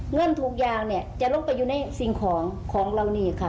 เงินทุกอย่างเนี่ยจะลงไปอยู่ในสิ่งของของเรานี่ค่ะ